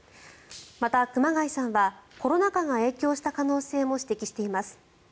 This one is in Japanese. また、熊谷さんはコロナ禍が影響した可能性も指摘しています。